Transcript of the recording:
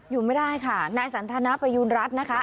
อยู่ไม่ได้ค่ะนายสันทนประยูณรัฐนะคะ